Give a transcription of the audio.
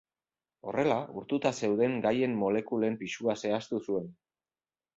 Horrela, urtuta zeuden gaien molekulen pisua zehaztu zuen.